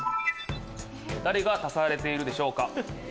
誰が足されているでしょうか？